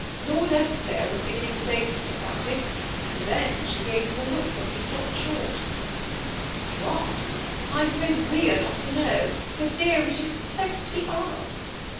Lord Eskdale was beginning to say something about it, and then she' gave him a look, and he stopped short" ^ What I I suppose we are not to know, for fear we should expect to be asked.